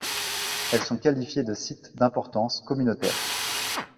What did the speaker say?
Elles sont qualifiées de site d'importance communautaire.